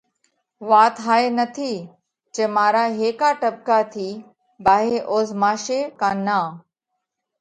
وات هائي نٿِي جي مارا هيڪا ٽٻڪا ٿِي ڀاهي اوزهماشي ڪا نان۔